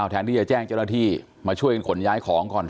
แทนที่จะแจ้งเจ้าหน้าที่มาช่วยกันขนย้ายของก่อน